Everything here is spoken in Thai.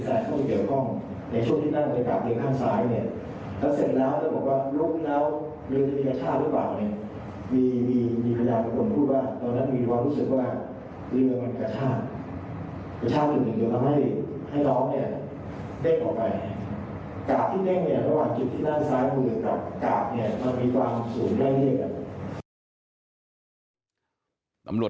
กระทั่งแหน่งประมาณกิดที่หน้าซ้ายมือกับกาบตูน่ามีความสูงได้ด้วย